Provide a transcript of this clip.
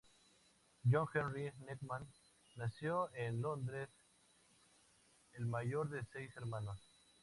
John Henry Newman nació en Londres, el mayor de seis hermanos.